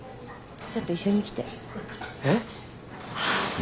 ちょっと一緒に来てえっ？